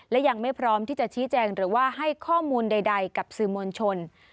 และยังไม่พร้อมที่จะชี้แจงหรือว่าให้ข้อมูลใดกับสื่อมวลชน